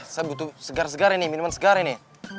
saya butuh minuman segar ini